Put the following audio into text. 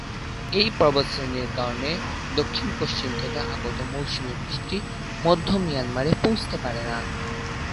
এই পর্বতশ্রেণীর কারণে দক্ষিণ-পশ্চিম থেকে আগত মৌসুমী বৃষ্টি মধ্য মিয়ানমারে পৌঁছতে পারে না।